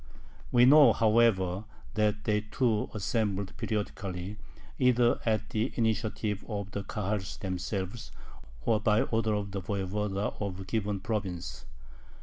We know, however, that they too assembled periodically, either at the initiative of the Kahals themselves or by order of the voyevoda of a given province.